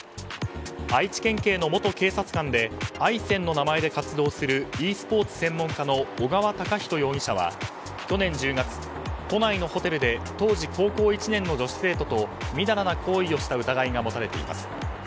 愛知県警の元警察官でｉＳｅＮＮの名前で活動するｅスポーツ専門家の小川敬士容疑者は去年１０月都内のホテルで当時高校１年の女子生徒とみだらな行為をした疑いが持たれています。